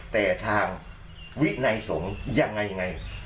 แต่ทางวินัยสงฆ์ยังไง